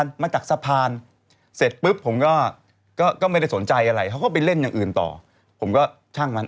เล่าไปเถอะชอบแล้วไง